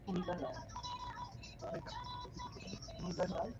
বোঝাই যাচ্ছে, ওকে কিছুই বলোনি।